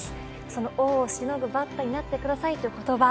その、王をしのぐバッターになってくださいという言葉